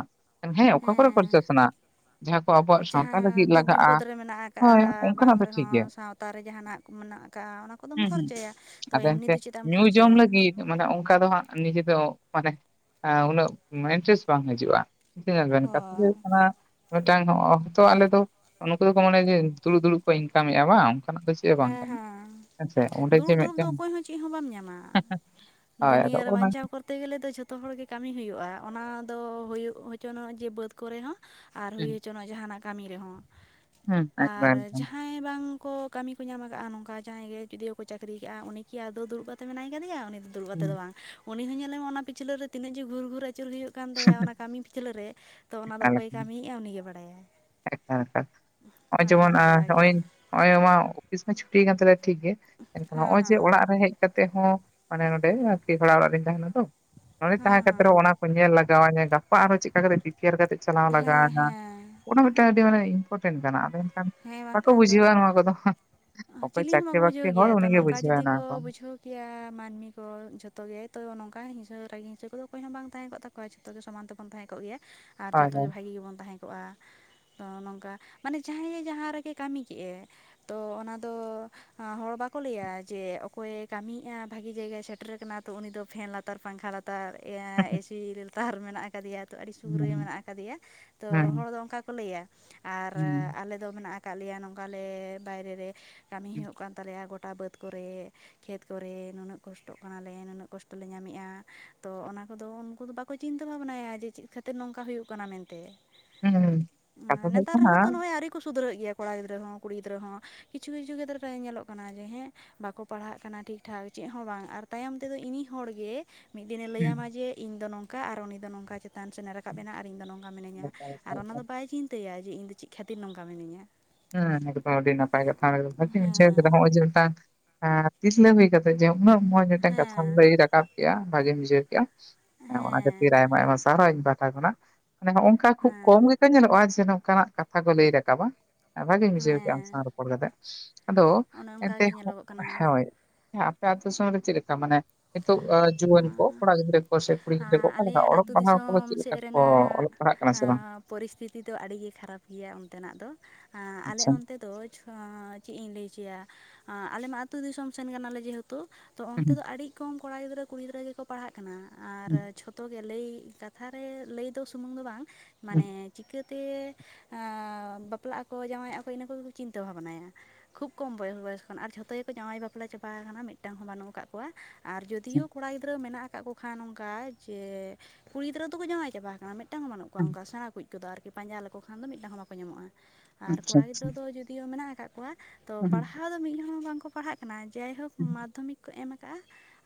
ᱦᱮᱸ ᱚᱠᱟ ᱠᱚᱨᱮ ᱠᱷᱚᱨᱪᱟ ᱥᱟᱱᱟᱣᱟ ᱡᱟᱦᱟᱸ ᱠᱚ ᱟᱵᱚᱣᱟᱜ ᱥᱟᱶᱛᱟ ᱡᱟᱦᱟᱸ ᱞᱟᱹᱜᱤᱫ ᱫᱩᱠᱽ ᱵᱤᱯᱚᱫ ᱞᱟᱜᱟᱜᱼᱟ ᱨᱮ ᱢᱮᱱᱟᱜ ᱟᱠᱟᱜᱼᱟ ᱦᱳᱭ ᱵᱟᱝ ᱚᱱᱠᱟᱱᱟᱜ ᱫᱚ ᱴᱷᱤᱠ ᱨᱮᱦᱚᱸ ᱜᱮᱭᱟ ᱥᱟᱶ ᱛᱟ ᱨᱮ ᱡᱟᱦᱟᱱᱟᱜ ᱠᱚ ᱢᱮᱱᱟᱜ ᱟᱠᱟᱫᱼᱟ ᱚᱱᱟ ᱠᱚᱫᱚᱢ ᱦᱩᱸ ᱦᱩᱸ ᱠᱷᱚᱨᱪᱟᱭᱟ ᱛᱚ ᱟᱫᱚ ᱮᱢᱱᱤ ᱮᱱᱛᱮ ᱫᱚ ᱪᱮᱫ ᱮᱢ ᱧᱩ ᱡᱚᱢ ᱠᱷᱚᱨᱪᱟᱭᱟ ᱞᱟᱹᱜᱤᱫ ᱢᱟᱱᱮ ᱚᱱᱠᱟ ᱫᱚ ᱦᱟᱸᱜ ᱱᱤᱡᱮ ᱫᱚ ᱢᱟᱱᱮ ᱩᱱᱟᱹᱜ ᱢᱟ ᱤᱱᱴᱟᱨᱮᱥ ᱵᱟᱝ ᱦᱟᱡᱩᱜᱼᱟ ᱾ ᱵᱩᱡᱽ ᱠᱮᱫᱟ ᱵᱮᱱ ᱠᱟᱛᱷᱟ ᱦᱳᱭ ᱦᱩᱭᱩᱜ ᱠᱟᱱᱟ ᱢᱤᱫᱴᱟᱝ ᱚᱠᱛᱚ ᱟᱞᱮ ᱫᱚ ᱱᱩᱠᱩ ᱫᱚᱠᱚ ᱢᱚᱱᱮ ᱡᱮ ᱫᱩᱲᱩᱵ ᱫᱩᱲᱩᱵ ᱠᱚ ᱤᱱᱠᱟᱢᱮᱫᱼᱟ ᱵᱟᱝ ᱚᱱᱠᱟᱱᱟᱜ ᱫᱚ ᱪᱮᱫ ᱦᱚᱸ ᱵᱟᱝ ᱦᱮᱸ ᱠᱟᱱᱟ ᱦᱮᱸ ᱦᱮᱸᱥᱮ ᱚᱸᱰᱮ ᱡᱮ ᱫᱩᱲᱩᱵ ᱫᱩᱲᱩᱵ ᱫᱚ ᱢᱤᱫᱴᱮᱱ ᱚᱠᱚᱭ ᱦᱚᱸ ᱪᱮᱫ ᱦᱚᱸ ᱵᱟᱢ ᱧᱟᱢ ᱟ ᱦᱳᱭ ᱟᱫᱚ ᱫᱩᱱᱭᱟᱹ ᱨᱮ ᱚᱱᱟ ᱵᱟᱧᱪᱟᱣ ᱠᱚᱨ ᱛᱮ ᱜᱮᱞᱮ ᱫᱚ ᱡᱷᱚᱛᱚ ᱦᱚᱲᱜᱮ ᱠᱟᱹᱢᱤ ᱦᱩᱭᱩᱜᱼᱟ ᱚᱱᱟ ᱫᱚ ᱦᱩᱭᱩᱜ ᱦᱚᱪᱚᱱᱚᱜ ᱡᱮ ᱵᱟᱹᱫᱽ ᱠᱚᱨᱮ ᱦᱚᱸ ᱟᱨ ᱦᱮᱸ ᱦᱩᱭ ᱦᱚᱪᱚᱱᱟᱜ ᱡᱟᱦᱟᱱᱟᱜ ᱠᱟᱹᱢᱤ ᱨᱮᱦᱚᱸ ᱦᱩᱸ ᱟᱨ ᱮᱠᱵᱟᱨ ᱮᱠᱫᱚᱢ ᱡᱟᱦᱟᱸᱭ ᱵᱟᱝ ᱠᱚ ᱠᱟᱹᱢᱤ ᱠᱚ ᱧᱟᱢ ᱟᱠᱟᱫᱼᱟ ᱱᱚᱝᱠᱟ ᱡᱟᱦᱟᱸᱭ ᱜᱮ ᱡᱩᱫᱤ ᱦᱳᱠᱚ ᱪᱟᱹᱠᱨᱤ ᱠᱟᱜᱼᱟ ᱩᱱᱤ ᱠᱤ ᱟᱫᱚᱣ ᱫᱩᱲᱩᱵ ᱠᱟᱛᱮ ᱢᱮᱱᱟᱭ ᱠᱟᱫᱮᱭᱟ ᱩᱱᱤ ᱫᱩᱲᱩᱵ ᱠᱟᱛᱮ ᱦᱩᱸ ᱫᱚ ᱵᱟᱝ ᱩᱱᱤ ᱦᱚᱸ ᱧᱮᱞᱮᱢᱟ ᱚᱱᱟ ᱯᱤᱪᱷᱟᱹ ᱨᱮ ᱛᱤᱱᱟᱹᱜ ᱜᱮ ᱜᱷᱩᱨ ᱜᱷᱩᱨ ᱟᱹᱪᱩᱨ ᱦᱩᱭᱩᱜ ᱠᱟᱱ ᱛᱟᱭᱟ ᱚᱱᱟ ᱠᱟᱹᱢᱤ ᱯᱤᱪᱞᱟᱹ ᱨᱮ ᱛᱚ ᱚᱱᱟᱫᱚ ᱮᱠᱟᱞ ᱚᱠᱚᱭᱮ ᱮᱠᱟᱞ ᱠᱟᱹᱢᱤᱭᱮᱫᱼᱟ ᱩᱱᱤᱜᱮ ᱵᱟᱲᱟᱭᱟᱭ ᱮᱠᱟᱞ ᱮᱠᱟᱞ, ᱱᱚᱜ-ᱚᱭ ᱦᱮᱸ ᱡᱮᱢᱚᱱᱜ ᱱᱚᱝᱠᱟ ᱜᱮ ᱱᱚᱜ-ᱚᱭ ᱢᱟ ᱚᱯᱷᱤᱥ ᱢᱟ ᱪᱷᱩᱴᱤ ᱠᱟᱱ ᱛᱟᱞᱮᱭᱟ ᱴᱷᱤᱠ ᱜᱮ ᱮᱱᱠᱷᱟᱱ ᱦᱮᱸ ᱱᱚᱜᱼᱚᱭ ᱡᱮ ᱦᱮᱸ ᱚᱲᱟᱜ ᱨᱮ ᱦᱮᱡ ᱠᱟᱛᱮ ᱦᱚᱸ ᱢᱟᱱᱮ ᱱᱚᱸᱰᱮ ᱟᱨᱠᱤ ᱵᱷᱟᱲᱟ ᱚᱲᱟᱜ ᱨᱤᱧ ᱛᱟᱦᱮᱱᱟ ᱛᱚ ᱱᱚᱸᱰᱮ ᱦᱮᱸ ᱛᱟᱦᱮᱸ ᱠᱟᱛᱮᱜ ᱦᱮᱸ ᱨᱮᱦᱚᱸ ᱚᱱᱟ ᱠᱚ ᱧᱮᱞ ᱞᱟᱜᱟᱣ ᱟᱧᱟᱹ ᱜᱟᱯᱟ ᱟᱨᱦᱚᱸ ᱪᱮᱫᱠᱟ ᱠᱟᱛᱮ ᱯᱤᱯᱤᱭᱟᱨ ᱠᱟᱛᱮᱫ ᱪᱟᱞᱟᱣ ᱦᱮᱸ ᱞᱟᱜᱟᱧᱟ ᱦᱮᱸ ᱚᱱᱟ ᱢᱤᱫᱴᱟᱱ ᱟᱹᱰᱤ ᱢᱟᱱᱮ ᱤᱢᱯᱚᱴᱮᱱᱴ ᱠᱟᱱᱟ ᱟᱫᱚ ᱮᱱᱠᱷᱟᱱ ᱦᱮᱸ ᱵᱟᱠᱚ ᱵᱟᱝᱠᱷᱟᱱ ᱫᱚ ᱵᱩᱡᱷᱟᱹᱣᱟ ᱱᱚᱣᱟ ᱠᱚᱫᱚ ᱚᱠᱚᱭ ᱪᱤᱞᱤ ᱦᱚᱸ ᱪᱟᱹᱠᱨᱤ ᱵᱟᱠᱚ ᱵᱩᱡᱷᱟᱹᱣ ᱵᱟᱹᱠᱨᱤ ᱦᱚᱲ ᱜᱮᱭᱟ ᱛᱚ ᱩᱱᱤᱜᱮ ᱱᱚᱝᱠᱟ ᱵᱩᱡᱷᱟᱹᱣᱟ ᱡᱩᱫᱤ ᱠᱚ ᱱᱚᱣᱟ ᱵᱩᱡᱷᱟᱹᱣ ᱠᱮᱭᱟ ᱢᱟᱹᱱᱢᱤ ᱠᱚ ᱡᱷᱚᱛᱚ ᱜᱮ ᱛᱚ ᱱᱚᱝᱠᱟ ᱦᱤᱥᱟᱹ ᱨᱟᱹᱜᱤ ᱦᱤᱥᱟᱹ ᱠᱚᱫᱚ ᱚᱠᱚᱭ ᱦᱚᱸ ᱵᱟᱝ ᱛᱟᱦᱮᱸ ᱠᱚᱜ ᱛᱟᱠᱚ ᱠᱚᱣᱟ ᱡᱷᱚᱛᱚ ᱜᱮ ᱥᱚᱢᱟᱱ ᱛᱮᱵᱚᱱ ᱛᱟᱦᱮᱸ ᱠᱚᱜ ᱜᱮᱭᱟ ᱟᱨ ᱦᱳᱭ ᱡᱚᱛᱚ ᱜᱮ ᱦᱳᱭ ᱵᱷᱟᱜᱤ ᱜᱮᱵᱚᱱ ᱛᱟᱦᱮᱸ ᱠᱚᱜᱼᱟ ᱛᱚ ᱱᱚᱝᱠᱟ ᱢᱟᱱᱮ ᱡᱟᱦᱟᱸᱭ ᱡᱟᱦᱟᱸ ᱨᱮᱜᱮ ᱠᱟᱹᱢᱤ ᱠᱮᱫ ᱮ ᱛᱚ ᱚᱱᱟ ᱫᱚ ᱦᱚᱲ ᱵᱟᱠᱚ ᱞᱟᱹᱭ ᱟ ᱡᱮ ᱚᱠᱚᱭᱮ ᱠᱟᱹᱢᱤᱭᱮᱫᱼᱟ ᱵᱷᱟᱜᱤ ᱡᱟᱭᱜᱟᱭ ᱥᱮᱴᱮᱨᱠ ᱛᱚ ᱩᱱᱤ ᱫᱚ ᱯᱷᱮᱱ ᱞᱟᱛᱟᱨ ᱯᱟᱝᱠᱷᱟ ᱞᱟᱛᱟᱨ ᱮᱥᱤ ᱞᱟᱛᱟᱨ ᱢᱮᱱᱟᱜ ᱟᱠᱟᱫᱮᱭᱟ ᱟᱹᱰᱤ ᱥᱩᱠ ᱨᱮ ᱦᱩᱸ ᱢᱮᱱᱟᱜ ᱟᱠᱟᱫᱮᱭᱟ ᱛᱚ ᱦᱩᱸ ᱦᱚᱲ ᱫᱚ ᱚᱱᱠᱟ ᱠᱚ ᱞᱟᱹᱭ ᱟ ᱟᱨ ᱦᱩᱸ ᱟᱞᱮ ᱫᱚ ᱢᱮᱱᱟᱜ ᱟᱠᱟᱫ ᱞᱮᱭᱟ ᱱᱚᱝᱠᱟ ᱞᱮ ᱵᱟᱭᱨᱮ ᱨᱮ ᱠᱟᱹᱢᱤ ᱦᱩᱭᱩᱜ ᱠᱟᱱ ᱛᱟᱞᱮᱭᱟ ᱜᱚᱴᱟ ᱵᱟᱹᱫᱽ ᱠᱚᱨᱮ ᱠᱷᱮᱛ ᱠᱚᱨᱮ ᱱᱩᱱᱟᱹᱜ ᱠᱚᱥᱴᱚᱜ ᱠᱟᱱᱟᱞᱮ ᱱᱩᱱᱟᱹᱜ ᱠᱚᱥᱴᱚ ᱞᱮ ᱧᱟᱢᱮᱫᱼᱟ ᱛᱚ ᱚᱱᱟ ᱠᱚᱫᱚ ᱩᱱᱠᱩ ᱫᱚ ᱵᱟ ᱠᱚ ᱪᱤᱱᱛᱟᱹ ᱵᱷᱟᱵᱱᱟᱭᱟ ᱡᱮ ᱪᱮᱫ ᱠᱷᱟᱹᱛᱤᱨ ᱱᱚᱝᱠᱟ ᱦᱩᱭᱩᱜ ᱠᱟᱱᱟ ᱢᱮᱱᱛᱮ ᱦᱩᱸ ᱦᱩᱸ ᱠᱟᱛᱷᱟ (inaudible) ᱫᱚ ᱦᱩᱭᱩᱜ ᱱᱮᱛᱟᱨ ᱠᱟᱱᱟ ᱨᱮᱦᱚᱸ ᱛᱚ ᱱᱚᱜᱼᱚᱭ ᱟᱹᱣᱨᱤ ᱠᱚ ᱥᱩᱫᱷᱟᱹᱨᱟᱹᱜ ᱜᱮᱭᱟ ᱠᱚᱲᱟ ᱜᱤᱫᱽᱟᱹ ᱦᱚᱸ ᱠᱩᱲᱤ ᱜᱤᱫᱽᱟᱹ ᱦᱚᱸ ᱠᱤᱪᱷᱩ ᱠᱤᱪᱷᱩ ᱠᱷᱮᱛᱨᱮ ᱨᱮ ᱧᱮᱞ ᱠᱟᱱᱟ ᱡᱮ ᱦᱮᱸ ᱵᱟᱠᱚ ᱯᱟᱲᱦᱟᱜ ᱠᱟᱱᱟ ᱴᱷᱤᱠᱴᱷᱟᱠ ᱪᱮᱫ ᱦᱚᱸ ᱵᱟᱝ ᱟᱨ ᱛᱟᱭᱚᱢ ᱛᱮᱫᱚ ᱤᱱᱤ ᱦᱚᱲᱜᱮ ᱢᱤᱫ ᱫᱤᱱᱮ ᱦᱮᱸ ᱞᱟᱹᱭᱟᱢᱟ ᱡᱮ ᱤᱧ ᱫᱚ ᱱᱚᱝᱠᱟ ᱟᱨ ᱩᱱᱤ ᱫᱚ ᱱᱚᱝᱠᱟ ᱪᱮᱛᱟᱱ ᱥᱮᱱᱮ ᱨᱟᱠᱟᱵᱮᱱᱟ ᱟᱨ ᱤᱧ ᱫᱚ ᱱᱚᱝ ᱱᱚᱝᱠᱟ ᱢᱤᱱᱟᱹᱧᱟ ᱟᱨ ᱚᱱᱟ ᱫᱚ ᱵᱟᱭ ᱪᱤᱱᱛᱟᱹᱭᱟ ᱡᱮ ᱤᱧ ᱫᱚ ᱪᱮᱫ ᱠᱷᱟᱹᱛᱤᱨ ᱱᱚᱝᱠᱟ ᱢᱤᱱᱟᱹᱧᱟ ᱦᱮᱸ ᱮᱠᱫᱚᱢ ᱟᱹᱰᱤ ᱱᱟᱯᱟᱭ ᱠᱟᱛᱷᱟᱢ ᱞᱟᱹᱭ ᱠᱮᱫᱟ ᱵᱷᱟᱜᱤᱧ ᱵᱩᱡᱷᱟᱹᱣ ᱠᱮᱫᱟ ᱦᱮᱸ ᱱᱚᱜ-ᱚᱭ ᱡᱮ ᱢᱤᱫᱴᱟᱝ ᱛᱤᱨᱞᱟᱹ ᱦᱩᱭ ᱠᱟᱛᱮᱫ ᱡᱮ ᱩᱱᱟᱹᱜ ᱢᱚᱸᱡᱽ ᱢᱤᱫᱴᱮᱱ ᱠᱟᱛᱷᱟᱢ ᱦᱮᱸ ᱞᱟᱹᱭ ᱨᱟᱠᱟᱵ ᱠᱮᱜᱼᱟ ᱵᱷᱟᱜᱤᱧ ᱵᱩᱡᱷ ᱠᱮᱜ-ᱟ ᱦᱮᱸ ᱚᱱᱟ ᱠᱷᱟᱹᱛᱤᱨ ᱟᱭᱢᱟ ᱟᱭᱢᱟ ᱥᱟᱨᱦᱟᱣ ᱤᱧ ᱯᱟᱦᱴᱟ ᱠᱷᱚᱱᱟᱜ ᱢᱟᱱᱮ ᱱᱚᱜ ᱱᱚᱝᱠᱟ ᱠᱷᱩᱵ ᱠᱚᱢ ᱦᱮᱸ ᱜᱮᱠᱚ ᱧᱮᱞᱚᱜᱼᱟ ᱡᱮ ᱱᱚᱝᱠᱟᱱᱟᱜ ᱠᱟᱛᱷᱟ ᱠᱚ ᱞᱟᱹᱭ ᱨᱟᱠᱟᱵᱟ ᱵᱷᱟᱹᱜᱤᱧ ᱵᱩᱡᱷᱟᱹᱣ ᱠᱮᱫ ᱟᱢ ᱥᱟᱶ ᱦᱮᱸ ᱨᱚᱯᱚᱲ ᱠᱟᱛᱮ, ᱟᱫᱚ ᱚᱱᱮ ᱚᱱᱠᱟ ᱮᱱᱛᱮ ᱜᱮ ᱧᱮᱞᱚᱜᱚᱜ ᱠᱟᱱᱟ ᱦᱳᱭ ᱦᱮᱸ ᱟᱯᱮ ᱟᱹᱛᱩ ᱫᱤᱥᱚᱢ ᱨᱮ ᱪᱮᱫ ᱞᱮᱠᱟ ᱢᱟᱱᱮ ᱱᱤᱛᱚᱜ ᱡᱩᱣᱟᱹᱱ ᱠᱚᱲᱟ ᱜᱤᱫᱽᱨᱟᱹ ᱠᱚ ᱥᱮ ᱠᱩᱲᱤ ᱜᱤᱫᱽᱨᱟᱹ ᱠᱚ ᱚᱠᱟ ᱞᱮᱠᱟ ᱟᱞᱮᱭᱟᱜ ᱚᱞᱚᱜ ᱟᱹᱛᱩ ᱯᱟᱲᱦᱟᱣ ᱠᱚᱫᱚ ᱫᱤᱥᱚᱢ ᱪᱮᱫ ᱞᱮᱠᱟ ᱠᱚ ᱚᱞᱚᱜ ᱯᱟᱲᱦᱟᱜ ᱠᱟᱱᱟ ᱥᱮ ᱵᱟᱝ ᱯᱚᱨᱤᱥᱛᱤᱛᱤ ᱫᱚ ᱟᱹᱰᱤ ᱜᱮ ᱠᱷᱟᱨᱟᱯ ᱜᱮᱭᱟ ᱚᱱᱛᱮᱱᱟᱜ ᱫᱚ ᱟᱞᱮ ᱟᱪᱪᱷᱟ ᱚᱱᱛᱮ ᱫᱚ ᱪᱮᱫ ᱤᱧ ᱞᱟᱹᱭ ᱦᱚᱪᱚᱭᱟ ᱟᱞᱮ ᱢᱟ ᱟᱹᱛᱩ ᱫᱤᱥᱚᱢ ᱥᱮᱱ ᱠᱟᱱᱟᱞᱮ ᱡᱮᱦᱮᱛᱩ ᱛᱚ ᱚᱱᱛᱮ ᱦᱩᱸ ᱫᱚ ᱟᱹᱰᱤ ᱠᱚᱢ ᱠᱚᱲᱟ ᱜᱤᱫᱽᱨᱟᱹ ᱠᱩᱲᱤ ᱜᱤᱫᱽᱨᱟᱹ ᱜᱮᱠᱚ ᱯᱟᱲᱦᱟᱜ ᱠᱟᱱᱟ ᱟᱨ ᱦᱩᱸ ᱡᱚ ᱡᱚᱛᱚ ᱜᱮ ᱞᱟᱹᱭ ᱠᱟᱛᱷᱟ ᱨᱮ ᱞᱟᱹᱭ ᱫᱚ ᱥᱩᱢᱩᱝ ᱫᱚ ᱵᱟᱝ ᱦᱩᱸ ᱢᱟᱱᱮ ᱪᱤᱠᱟᱹᱛᱮ ᱛᱮ ᱵᱟᱯᱞᱟᱜ ᱟᱠᱚ ᱡᱟᱶᱟᱭ ᱟᱠᱚ ᱤᱱᱟᱹ ᱠᱚᱜᱮ ᱠᱚ ᱪᱤᱱᱛᱟᱹ ᱵᱷᱟᱵᱽᱱᱟᱭᱟ ᱠᱷᱩᱵ ᱠᱚᱢ ᱵᱚᱭᱚᱥ ᱠᱷᱚᱱ ᱟᱨ ᱡᱷᱚᱛᱚ ᱜᱮᱠᱚ ᱡᱟᱶᱟᱭ ᱵᱟᱯᱞᱟ ᱪᱟᱵᱟ ᱟᱠᱟᱱᱟ ᱢᱤᱫᱴᱟᱝ ᱦᱚᱸ ᱵᱟᱹᱱᱩᱜ ᱠᱟᱜ ᱠᱚᱣᱟ ᱟᱨ ᱦᱩᱸ ᱡᱚᱫᱤᱭᱳ ᱢᱮᱱᱟᱜ ᱟᱠᱟᱫ ᱠᱚ ᱠᱷᱟᱱ ᱱᱚᱱᱠᱟ ᱡᱮ ᱠᱩᱲᱤ ᱜᱤᱫᱽᱨᱟᱹ ᱫᱚᱠᱚ ᱡᱟᱶᱟᱭ ᱪᱟᱵᱟ ᱟᱠᱟᱱᱟ ᱢᱤᱫᱴᱟᱝ ᱵᱟᱹᱱᱩᱜ ᱠᱚᱣᱟ ᱦᱩᱸ ᱚᱱᱠᱟ ᱥᱮᱬᱟ ᱠᱩ ᱠᱚᱫᱚ ᱟᱨᱠᱤ ᱯᱟᱸᱡᱟ ᱞᱮᱠᱚ ᱠᱷᱟᱱ ᱫᱚ ᱢᱤᱫᱴᱟᱝ ᱦᱚᱸ ᱵᱟᱠᱚ ᱧᱟᱢᱚᱜᱼᱟ ᱟᱨ ᱟᱪᱪᱷᱟ ᱠᱚᱲᱟ ᱟᱪᱪᱷᱟ ᱜᱤᱫᱽᱨᱟᱹ ᱫᱚ ᱡᱩᱫᱤᱭᱳ ᱢᱮᱱᱟᱜ ᱟᱠᱟᱫ ᱠᱚᱣᱟ ᱠᱚᱣᱟ ᱛᱚ ᱯᱟᱲᱦᱟᱣ ᱫᱚ ᱢᱤᱫᱦᱚᱲ ᱵᱟᱝᱠᱚ ᱯᱟᱲᱦᱟᱜ ᱠᱟᱱᱟ ᱡᱟᱭᱦᱳᱠ ᱢᱟᱫᱽᱫᱷᱚᱢᱤᱠ ᱠᱚ ᱮᱢ ᱟᱠᱟᱜᱼᱟ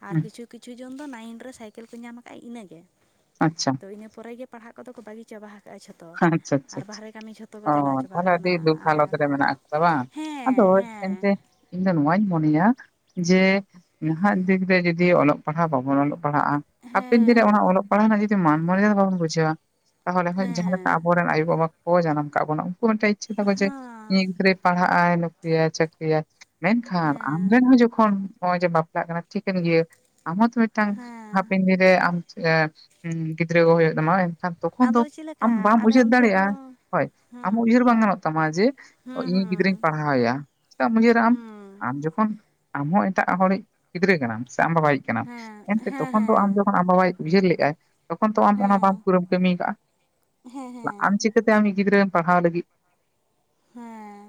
ᱟᱨ ᱠᱤᱪᱷᱩ ᱠᱤᱪᱷᱩ ᱡᱚᱱ ᱫᱚ ᱱᱟᱭᱤᱱ ᱨᱮ ᱥᱟᱭᱠᱮᱞ ᱠᱚ ᱧᱟᱢ ᱠᱟᱜᱼᱟ ᱤᱱᱟᱹᱜᱮ ᱟᱪᱪᱷᱟ ᱛᱚ ᱤᱱᱟᱹ ᱯᱚᱨᱮ ᱯᱟᱲᱦᱟᱜ ᱟᱠᱚ ᱠᱚ ᱫᱚ ᱠᱚ ᱵᱟᱹᱜᱤ ᱪᱟᱵᱟ ᱟᱠᱟᱜᱼᱟ ᱡᱷᱚᱛᱚ ᱟᱨ ᱵᱟᱦᱮᱨᱮ ᱠᱟᱹᱢᱤ ᱡᱷᱚᱛᱚ ᱠᱚ ᱚ ᱪᱟᱞᱟᱣ ᱪᱟᱵᱟ ᱛᱟᱦᱚᱞᱮ ᱟᱹᱰᱤ ᱟᱠᱟᱱᱟ ᱫᱩᱠ ᱦᱟᱞᱚᱛ ᱟᱨ ᱨᱮ ᱢᱮᱱᱟᱜ ᱵᱟᱝ ᱟᱫᱚ ᱦᱮᱸ ᱦᱮᱸ ᱮᱱᱛᱮ ᱤᱧ ᱫᱚ ᱱᱩᱣᱟᱧ ᱢᱚᱱᱮᱭᱟ ᱡᱮ ᱱᱟᱦᱟᱸᱜ ᱫᱩᱜᱽ ᱨᱮ ᱡᱩᱫᱤ ᱚᱞᱚᱜ ᱯᱟᱲᱦᱟᱜ ᱵᱟᱵᱚᱱ ᱚᱞᱚᱜᱼᱼ ᱯᱟᱲᱦᱟᱜᱼᱟ ᱦᱟᱯᱮᱱ ᱫᱤᱱ ᱨᱮ ᱚᱱᱟ ᱦᱮᱸ ᱚᱞᱚᱜ ᱯᱟᱲᱦᱟᱜ ᱨᱮᱱᱟᱜ ᱡᱩᱫᱤ ᱢᱟᱱ ᱢᱟᱲᱟᱭᱟ ᱵᱟᱵᱚᱱ ᱵᱩᱡᱷᱟᱹᱣᱟ ᱛᱟᱦᱚᱞᱮ ᱠᱷᱟᱡ ‌ᱡᱟᱦᱟᱸ ᱞᱮᱠᱼᱼᱼ ᱦᱮᱸ ᱨᱮᱱ ᱟᱭᱳᱼᱵᱟᱵᱟ ᱠᱚ ᱡᱟᱱᱟᱢ ᱟᱠᱟᱜ ᱵᱚᱱᱟ ᱩᱱᱠᱩ ᱢᱤᱫᱴᱮᱱ ᱤᱪᱪᱷᱟᱹ ᱛᱟᱠᱚ ᱡᱮ ᱦᱮᱸ ᱤᱧᱤᱜ ᱜᱤᱫᱽᱨᱟᱹᱭᱼᱼ ᱯᱟᱲᱦᱟᱜᱼᱟᱭ ᱱᱚᱠᱨᱤ ᱭᱟᱭ ᱪᱟᱹᱠᱨᱤ ᱭᱟᱭ ᱢᱮᱱᱠᱷᱟᱱ ᱟᱢ ᱨᱮᱱ ᱦᱮᱸ ᱦᱚᱸ ᱡᱚᱠᱷᱚᱱ ᱱᱚᱜᱼᱚᱭ ᱡᱮ ᱵᱟᱯᱼᱼ ᱞᱟᱜ ᱠᱟᱱᱟ ᱴᱷᱤᱠᱟᱹᱱ ᱜᱮ ᱟᱢ ᱦᱚᱸᱛᱚ ᱢᱤᱫᱴᱟᱝ ᱦᱮᱸ ᱦᱟᱯᱮᱱ ᱫᱤᱱ ᱨᱮ ᱟᱢ ᱮᱻ ᱦᱩᱸ ᱜᱤᱫᱽᱨᱟᱹ ᱠᱚ ᱦᱚᱭᱚᱜ ᱛᱟᱢᱟ ᱦᱚᱭ ᱮᱱᱠᱷᱟᱱ ᱛᱚᱠᱷᱚᱱ ᱫᱚᱼᱼ ᱟᱫᱚ ᱪᱮᱫ ᱟᱢ ᱞᱮᱠᱟ ᱵᱟᱢ ᱟᱞᱮ ᱩᱭᱦᱟᱹᱨ ᱚᱱᱛᱮ ᱫᱟᱲᱮᱜᱼᱟ ᱫᱚ ᱦᱚᱭ ᱟᱢ ᱦᱮᱸ ᱩᱭᱦᱟᱹᱨ ᱵᱟᱝ ᱜᱟᱱᱚᱜ ᱛᱟᱢᱟ ᱡᱮᱼᱼ ᱛᱚ ᱦᱩᱸ ᱤᱧᱤᱡ ᱜᱤᱫᱽᱨᱟᱹᱧ ᱦᱩᱸ ᱯᱟᱲᱦᱟᱣᱮᱭᱟ ᱪᱮᱫᱟᱢ ᱩᱭᱦᱟᱹᱨᱟ ᱟᱢ, ᱦᱩᱸ ᱟᱢ ᱡᱚᱠᱷᱚᱱᱼᱼ ᱟᱢ ᱦᱚᱸ ᱮᱴᱟᱜ ᱦᱚᱲᱤᱡ ᱜᱤᱫᱽᱨᱟᱹ ᱠᱟᱱᱟᱢ ᱥᱮ ᱟᱢ ᱵᱟᱵᱟ ᱭᱤᱡ ᱠᱟᱱᱟᱢ ᱦᱮᱸ ᱮᱱᱛᱮᱜ ᱦᱮᱸ ᱛᱚᱠᱷᱚᱱ ᱫᱚ ᱦᱮᱸ ᱟᱢ ᱡᱚᱠᱷᱚᱱ ᱟᱢ ᱵᱟᱵᱟ ᱭᱤᱡᱼᱼ ᱩᱭᱦᱟᱹᱨ ᱞᱮᱜᱼᱟᱭ ᱛᱚᱠᱷᱚᱱ ᱛᱚ ᱟᱢ ᱚᱱᱟ ᱵᱟᱢ ᱦᱮᱸ ᱠᱩᱨᱮᱢ ᱠᱟᱹᱢᱤᱭ ᱠᱟᱜ-ᱟ᱾ ᱦᱮᱸ ᱛᱟ ᱟᱢ ᱦᱮᱸ ᱪᱤᱠᱟᱹᱛᱮ ᱟᱢᱤᱡ ᱜᱤᱫᱽᱨᱟᱹᱢ ᱯᱟᱲᱦᱟᱣ ᱞᱟᱹᱜᱤᱫᱼᱼ ᱦᱮᱸᱻ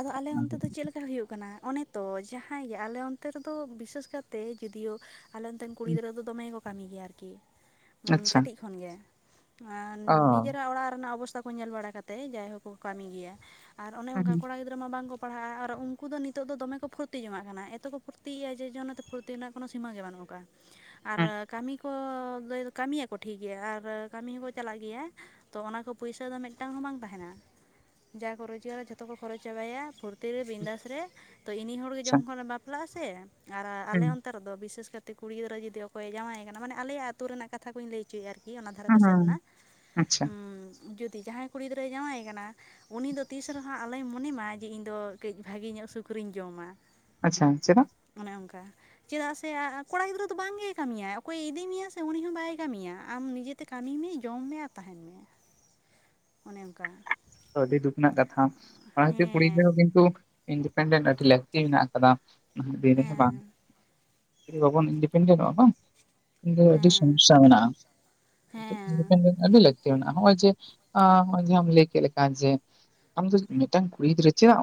ᱟᱫᱚ ᱟᱞᱮ ᱚᱱᱛᱮ ᱚᱱᱟᱜᱮ ᱫᱚ ᱪᱮᱜ ᱞᱮᱠᱼᱼ ᱠᱟᱹ ᱦᱩᱭᱩᱜ ᱠᱟᱱᱟ ᱚᱱᱮ ᱛᱚ ᱡᱟᱦᱟᱸᱭ ᱜᱮ ᱟᱞᱮ ᱚᱱᱛᱮ ᱨᱮᱫᱚ ᱵᱤᱥᱮᱥ ᱠᱟᱛᱮ ᱡᱩᱫᱤᱭᱳᱼᱼ ᱦᱟᱞᱮ ᱱᱚᱛᱮᱱ ᱠᱩᱲᱤ ᱦᱩᱸ, ᱜᱤᱫᱽᱨᱟᱹ ᱫᱚ ᱫᱚᱢᱮ ᱠᱚ ᱠᱟᱢᱤᱭ ᱜᱮᱭᱟ ᱟᱨᱠᱤ ᱩᱢᱻ ᱟᱪᱪᱷᱟ ᱠᱟᱹᱴᱤᱡ ᱠᱷᱚᱱ ᱜᱮ᱾ ᱟᱸᱻ ᱚ ᱱᱤᱡᱮᱨᱟᱜ ᱚᱲᱟᱜ ᱨᱮᱱᱟᱜ ᱚᱵᱚᱥᱛᱟ ᱠᱚ ᱧᱮᱞ ᱵᱟᱲᱟ ᱠᱟᱛᱮᱡ ᱡᱟᱭᱦᱳᱠ ᱠᱚ ᱠᱟᱢᱤ ᱜᱮᱭᱟ᱾ ᱟᱨ ᱚᱱᱮ ᱚᱱᱠᱟ‌ ᱦᱩᱸ ᱠᱚᱲᱟ ᱜᱤᱫᱽᱨᱟᱹ ᱢᱟ ᱵᱟᱝ ᱠᱚ ᱯᱟᱲᱦᱟᱜᱼᱟ ᱟᱨ ᱩᱱᱠᱩ ᱫᱚ ᱱᱤᱛᱚᱜ ᱫᱚᱢᱮ ᱠᱚ ᱯᱷᱩᱨᱛᱤ ᱡᱚᱝᱟᱜ ᱠᱟᱱᱟ ᱮᱛᱚ ᱠᱚ ᱯᱷᱩᱨᱛᱤᱜ ᱭᱮᱜ-ᱟ ᱡᱮ ᱡᱚ ᱚᱱᱟᱛᱮ ᱯᱷᱩᱨᱛᱤ ᱨᱮᱱᱟᱜᱼᱼ ᱠᱚᱱᱚ ᱥᱤᱢᱟᱹ ᱜᱮ ᱵᱟᱱᱩᱜ ᱟᱠᱟᱜᱼᱟ ᱦᱩᱸ ᱦᱩᱸ ᱟᱨ ᱠᱟᱢᱤᱠᱼᱼ ᱠᱚ ᱞᱟᱹᱭ ᱫᱚ ᱠᱟᱢᱤ ᱭᱟᱠᱚ ᱴᱷᱤᱠ ᱜᱮᱭᱟ ᱟᱨ ᱠᱟᱢᱤ ᱦᱚᱸᱠᱚ ᱪᱟᱞᱟᱜ ᱜᱮᱭᱟᱼᱼ ᱛᱚ ᱚᱱᱟ ᱠᱚ ᱯᱩᱭᱥᱟᱹ ᱫᱚ ᱢᱮᱜᱴᱟᱝ ᱦᱚᱸ ᱵᱟᱝ ᱛᱟᱦᱮᱱᱟ᱾ ᱡᱟ ᱠᱚ ᱨᱚᱡᱽᱜᱟᱨᱟ ᱡᱷᱚᱛᱚ ᱠᱚ ᱠᱷᱚᱨᱚᱪ ᱪᱟᱵᱟᱭᱟ ᱯᱷᱩᱨᱛᱤ ᱨᱮ ᱦᱩᱸ ᱵᱤᱱᱫᱟᱥ ᱨᱮ ᱛᱚ ᱤᱱᱤ ᱦᱚᱲ ᱜᱮ ᱟᱪᱪᱷᱟ ᱡᱚᱠᱷᱚᱱ ᱵᱟᱯᱼᱼ ᱞᱟᱜᱼᱟ ᱥᱮ ᱟᱨ ᱟᱞᱮ ᱦᱩᱸ ᱚᱱᱛᱮ ᱨᱮᱫᱚ ᱵᱤᱥᱮᱥ ᱠᱟᱛᱮ ᱠᱩᱲᱤ ᱜᱤᱫᱽᱨᱟᱹ ᱡᱩᱫᱤ ᱚᱠᱚᱭᱮ ᱡᱟᱶᱟᱭᱮ ᱠᱟᱱᱟ ᱢᱟᱱᱮ ᱟᱞᱮᱭᱟᱜ ᱟᱹᱛᱩ ᱨᱮᱱᱟᱜ ᱠᱟᱛᱷᱟᱼᱼ ᱠᱟᱛᱷᱟ ᱠᱩᱧ ᱞᱟᱹᱭ ᱩᱪᱩᱭᱮᱜᱼᱟ ᱟᱨᱠᱤ ᱚᱱᱟ ᱫᱷᱟᱨᱮ ᱦᱩᱸ ᱯᱟᱥᱮ ᱦᱩᱸ ᱨᱮᱱᱟᱜ ᱟᱪᱪᱷᱟ ᱩᱸᱻᱡᱩᱫᱤ ᱡᱟᱦᱟᱸᱭ ᱠᱩᱲᱤ ᱜᱤᱫᱽᱨᱟᱹᱭ ᱡᱟᱶᱟᱭ ᱟᱠᱟᱱᱟᱼᱼ ᱩᱱᱤ ᱫᱚ ᱛᱤᱥ ᱨᱮᱦᱚᱸ ᱟᱞᱚᱭ ᱢᱚᱱᱮ ᱢᱟ ᱡᱮ ᱤᱧ ᱫᱚ ᱠᱟᱹᱡ ᱵᱷᱟᱜᱤ ᱧᱚᱜ ᱥᱩᱠ ᱨᱤᱧ ᱡᱚᱢᱟ᱾ ᱟᱸᱪᱪᱷᱟ ᱪᱮᱫᱟᱜ? ᱚᱱᱮ ᱚᱝᱠᱟ᱾ ᱪᱮᱫᱟᱜ ᱥᱮ ᱟᱻ ᱠᱚᱲᱟ ᱜᱤᱫᱽᱨᱟᱹ ᱫᱚ ᱵᱟᱝ ᱜᱮᱭ ᱠᱟᱢᱤ ᱭᱟᱭ ᱚᱠᱚᱭᱮ ᱤᱫᱤ ᱢᱮᱭᱟ ᱥᱮ ᱩᱱᱤ ᱦᱚᱸ ᱵᱟᱭ ᱠᱟᱢᱤᱭᱟ ᱟᱢ ᱱᱤᱡᱮᱛᱼᱼ ᱛᱮ ᱠᱟᱢᱤ ᱢᱮ ᱡᱚᱢ ᱢᱮ ᱟᱨ ᱛᱟᱦᱮᱸᱱ ᱢᱮ᱾ ᱚᱱᱮ ᱚᱝᱠᱟ᱾ ᱟᱹᱰᱤ ᱫᱩᱠ ᱨᱮᱱᱟᱜ ᱠᱟᱛᱷᱟ ᱚᱱᱟ ᱠᱷᱟᱹᱛᱤᱨ ᱠᱩᱲᱤᱼᱼ ᱦᱮᱸ ᱛᱮᱦᱚᱸ ᱠᱤᱱᱛᱩ ᱤᱱᱰᱤᱯᱮᱱᱰᱮᱱᱴ ᱟᱹᱰᱤ ᱞᱟᱹᱠᱛᱤ ᱢᱮᱱᱟᱜ ᱟᱠᱟᱫᱟ ᱱᱟᱦᱟᱸᱜ ᱫᱤᱱ ᱨᱮ ᱦᱚᱸ ᱦᱮᱸ ᱵᱟᱝ᱾ ᱡᱩᱫᱤ ᱵᱟᱵᱚᱱ ᱤᱱᱰᱤᱯᱮᱱᱰᱮᱱᱚᱜᱼᱟ ᱵᱟᱝᱼᱼ ᱠᱤᱱᱫᱩ ᱟᱹᱰᱤ ᱦᱮᱸ ᱥᱚᱢᱚᱥᱥᱟ ᱢᱮᱱᱟᱜᱼᱟ ᱠᱤᱱᱛᱩᱠ ᱦᱮᱸ ᱤᱱᱰᱤᱯᱮᱱᱰᱮᱱᱴ ᱟᱹᱰᱤ ᱞᱟᱹᱠᱛᱤᱼᱼ ᱛᱤ ᱢᱮᱱᱟᱜᱼᱟ ᱦᱚᱸᱜᱼᱚᱭ ᱡᱮ ᱟ ᱦᱚᱸᱜᱼᱚᱭ ᱡᱮ ᱟᱢ‌ ᱞᱟᱭ ᱠᱮᱜ ᱞᱮᱠᱼᱼ ᱟᱸᱻ ᱡᱮ ᱟᱢ ᱫᱚ ᱢᱤᱫᱴᱟᱝ ᱠᱩᱲᱤ ᱜᱤᱫᱽᱨᱟᱹ ᱪᱮᱫᱟᱜ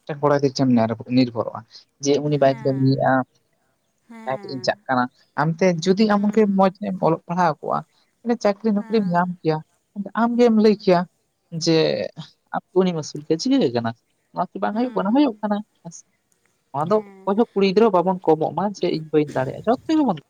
ᱢᱤᱫᱟᱝ ᱠᱚᱲᱟ ᱜᱤᱫᱽᱨᱟᱹ ᱪᱮᱢ ᱱᱤᱨᱵᱷᱚᱨᱚᱜᱼᱟ᱾ ᱡᱮ ᱩᱱᱤ ᱵᱟᱭ ᱦᱮᱸ ᱠᱟᱹᱢᱤᱭᱮᱜ-ᱟᱼᱼ ᱟᱡ ᱴᱤᱜ ᱤᱧ ᱦᱮᱸ ᱪᱟᱜ ᱠᱟᱱᱟ ᱟᱢ ᱛᱮ ᱡᱩᱫᱤ ᱮᱢᱚᱱ ᱠᱤ ᱦᱩᱸ ᱢᱚᱸᱡᱽ ᱧᱚᱜ ᱮᱢ ᱚᱞᱚᱜ ᱯᱟᱲᱦᱟᱣ ᱠᱚᱜ-ᱟᱼᱼ ᱱᱮ ᱪᱟᱹᱠᱨᱤ ᱱᱩᱠᱨᱤᱢ ᱧᱟᱢ ᱦᱮᱸ ᱠᱮᱭᱟ ᱟᱢ ᱜᱮᱢ ᱞᱟᱹᱭ ᱠᱮᱭᱟ ᱡᱮᱼᱼ ᱟᱢ ‌ᱠᱤ ᱩᱱᱤᱢ ᱟᱹᱥᱩᱞ ᱠᱮᱭᱟ ᱪᱤᱠᱟᱹᱜ ᱠᱟᱱᱟ ᱚᱱᱟ ᱠᱤ ᱵᱟᱝ ᱦᱩᱭᱩᱜ ᱠᱟᱱᱟ ᱦᱩᱭᱩᱜ ᱦᱩᱸ ᱠᱟᱱᱟ‌ ᱦᱮᱸᱥᱮ ᱾ ᱱᱚᱣᱟ ᱫᱚ ᱦᱮᱸ ᱚᱠᱚᱭ ᱦᱚᱸ ᱠᱩᱲᱤ ᱜᱤᱫᱽᱨᱟᱹ ᱵᱟᱵᱚᱱ ᱠᱚᱢᱚᱜ ᱢᱟ ᱡᱮ ᱤᱧ ᱵᱟᱹᱧ ᱫᱟᱲᱮᱜ-ᱟ ᱡᱚᱛᱚ ᱜᱮᱵᱚᱱᱼᱼ